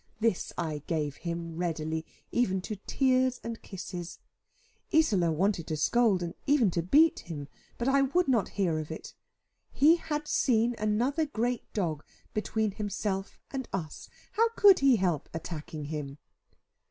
This I gave him readily, even to tears and kisses. Isola wanted to scold and even to beat him, but I would not hear of it. He had seen another great dog between himself and us, how could he help attacking him?